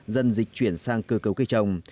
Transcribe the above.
dân dịch chuyển sang cơ cầu cây trồng